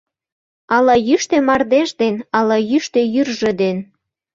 Ала йӱштӧ мардеж ден, ала йӱштӧ йӱржӧ ден